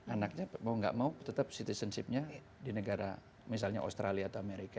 anaknya mau gak mau tetap citizenshipnya di negara misalnya australia atau amerika